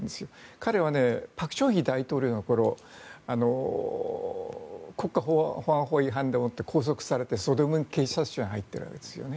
彼は朴正煕大統領の頃国家保安法違反でもって拘束されて西大門警察署に入っているわけですね。